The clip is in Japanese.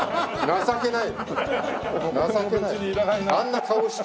情けない。